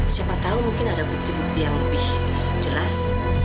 siapa tahu mungkin ada bukti bukti yang lebih jelas